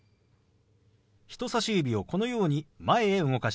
人さし指をこのように前へ動かします。